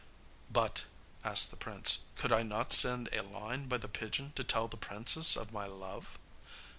'But,' asked the prince, 'could I not send a line by the pigeon to tell the princess of my love?